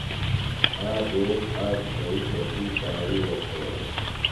آ دیس آک گھئی تسی ݜاویڑوۡ کھولوۡ۔